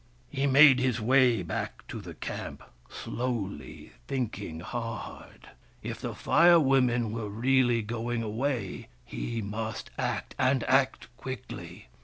He made his way back to the camp, slowly, think ing hard. If the Fire Women were really going away, he must act, and act quickly.